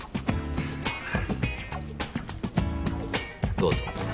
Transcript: どうぞ。